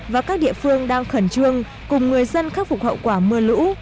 và các địa phương đang khẩn trương cùng người dân khắc phục hậu quả mưa lũ